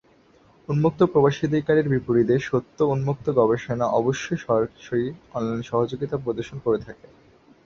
উন্মুক্ত প্রবেশাধিকারের বিপরীতে, সত্য উন্মুক্ত গবেষণা অবশ্যই সরাসরি, অনলাইন সহযোগিতা প্রদর্শন করে থাকে।